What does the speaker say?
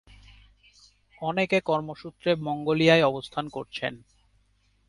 অনেকে কর্মসূত্রে মঙ্গোলিয়ায় অবস্থান করছেন।